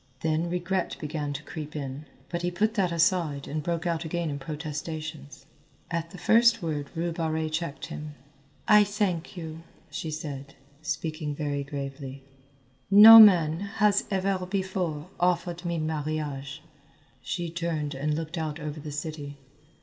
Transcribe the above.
Then regret began to creep in, but he put that aside and broke out again in protestations. At the first word Rue Barrée checked him. "I thank you," she said, speaking very gravely. "No man has ever before offered me marriage." She turned and looked out over the city.